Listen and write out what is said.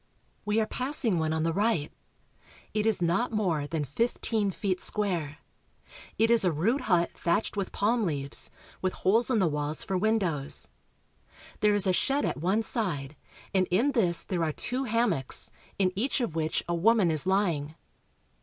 We are passing one on the right. It is not more than fifteen feet square. It is a rude hut thatched with palm leaves, with holes in the walls for windows. There is a shed at one side, and in this there are two hammocks, in each of which a woman is lying.